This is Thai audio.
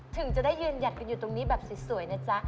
ถึงจะได้ยืนหยัดกันอยู่ตรงนี้แบบสวยนะจ๊ะ